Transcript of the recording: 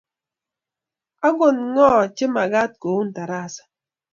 Angot ng'o che komakat koun tarasa?